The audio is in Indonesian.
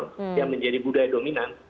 dan budaya kultur yang menjadi budaya dominan